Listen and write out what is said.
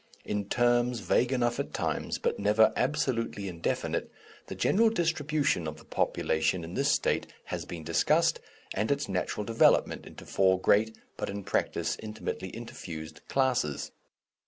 In terms, vague enough at times, but never absolutely indefinite, the general distribution of the population in this state has been discussed, and its natural development into four great but in practice intimately interfused classes.